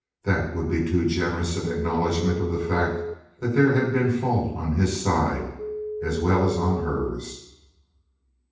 That would be too generous an acknowledgment of the fact that there had been fault on his side as well as on hers.